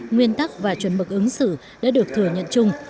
nguyên tắc và chuẩn mực ứng xử đã được thừa nhận chung